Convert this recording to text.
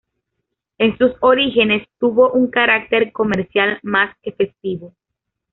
En sus orígenes tuvo un carácter comercial más que festivo.